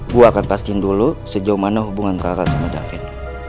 gue akan pastiin dulu sejauh mana hubungan kakak sama davin